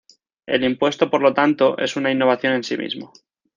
El impuesto por lo tanto, es una innovación en sí mismo.